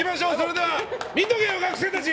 見とけよ、学生たち！